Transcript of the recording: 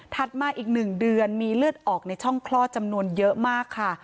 มาอีก๑เดือนมีเลือดออกในช่องคลอดจำนวนเยอะมากค่ะ